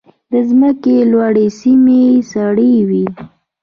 د ځمکې لوړې سیمې سړې وي.